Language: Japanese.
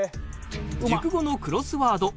熟語のクロスワード。